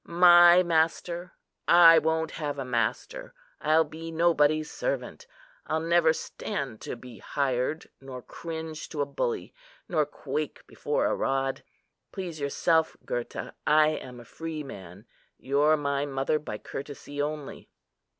my master! I won't have a master! I'll be nobody's servant. I'll never stand to be hired, nor cringe to a bully, nor quake before a rod. Please yourself, Gurta; I am a free man. You're my mother by courtesy only."